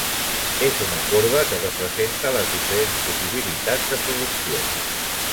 És una corba que representa les diferents possibilitats de producció.